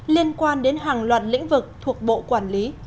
liên quan đến hàng loạt lĩnh vực thuộc bộ quản lý